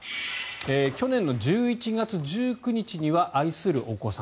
去年の１１月１９日には愛するお子様